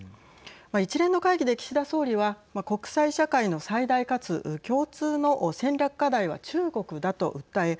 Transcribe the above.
一連の会議で岸田総理は国際社会の最大かつ共通の戦略課題は中国だと訴え